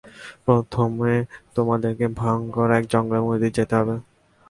প্রথমে, তোমাদেরকে ভয়ংকর এক জঙ্গলের মধ্যে দিয়ে যেতে হবে।